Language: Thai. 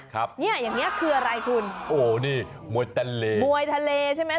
ครับเนี้ยอย่างเงี้คืออะไรคุณโอ้นี่มวยทะเลมวยทะเลใช่ไหม